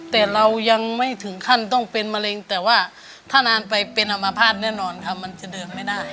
แต่เรายังไม่ถึงขั้นต้องเป็นมะเร็งแต่ว่าถ้านานไปเป็นอมภาษณ์แน่นอนค่ะมันจะเดินไม่ได้